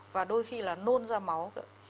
và đôi khi là nôn ra máu